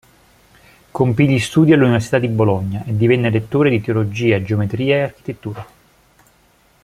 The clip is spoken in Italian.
Compì gli studi all'Università di Bologna e divenne lettore di teologia, geometria e architettura.